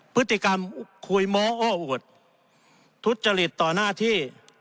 พฤติกรรมคุยม้ออ้ออวดทุจริตต่อหน้าที่